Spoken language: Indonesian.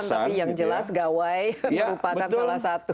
tapi yang jelas gawai merupakan salah satu